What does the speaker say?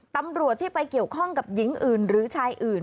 ตำรวจที่ไปเกี่ยวข้องกับหญิงอื่นหรือชายอื่น